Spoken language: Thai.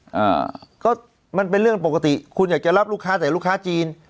อ่าก็มันเป็นเรื่องปกติคุณอยากจะรับลูกค้าแต่ลูกค้าจีน